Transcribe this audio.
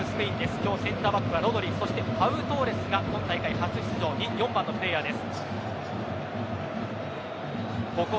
今日センターバックはロドリそしてパウ・トーレスが今大会初出場４番のプレーヤーです。